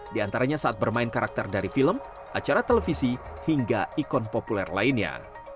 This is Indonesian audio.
di antaranya saat bermain karakter dari film acara televisi hingga ikon populer lainnya